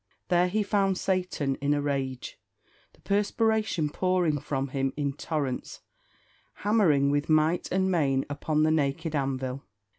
There he found Satan in a rage, the perspiration pouring from him in torrents, hammering with might and main upon the naked anvil.